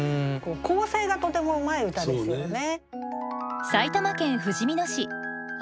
構成がとてもうまい歌ですよね。